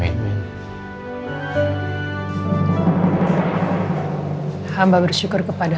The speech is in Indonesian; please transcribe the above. dimanapun mama berada